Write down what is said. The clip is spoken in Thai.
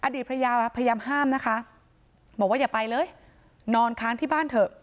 ภรรยาพยายามห้ามนะคะบอกว่าอย่าไปเลยนอนค้างที่บ้านเถอะ